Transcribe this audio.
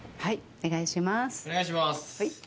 お願いします